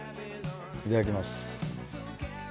いただきます。